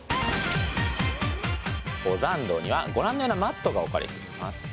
登山道にはご覧のようなマットが置かれています。